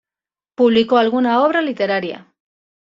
Publicó algunas obras literarias.